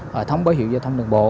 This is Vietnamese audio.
hệ thống báo hiệu giao thông đường bộ